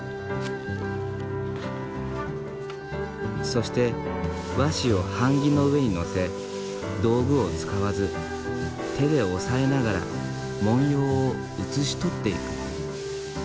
そして和紙を版木の上に載せ道具を使わず手で押さえながら文様を写し取っていく。